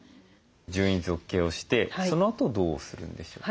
順位づけをしてそのあとどうするんでしょうか？